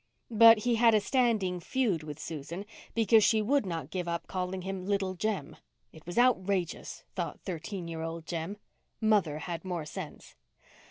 But he had a standing feud with Susan because she would not give up calling him Little Jem. It was outrageous, thought thirteen year old Jem. Mother had more sense.